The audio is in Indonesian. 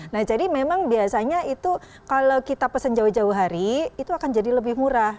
nah jadi memang biasanya itu kalau kita pesen jauh jauh hari itu akan jadi lebih murah